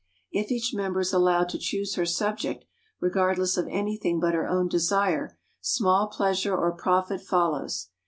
If each member is allowed to choose her subject, regardless of anything but her own desire, small pleasure or profit follows.